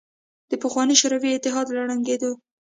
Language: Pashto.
د پخواني شوروي اتحاد له ړنګېدو